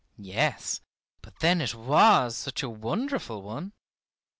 Yes, but then it was such a wonderful one!